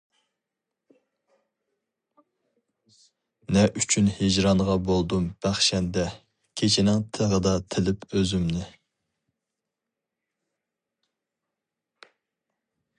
نە ئۈچۈن ھىجرانغا بولدۇم بەخشەندە كېچىنىڭ تىغىدا تىلىپ ئۆزۈمنى.